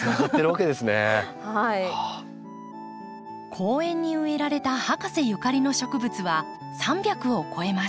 公園に植えられた博士ゆかりの植物は３００を超えます。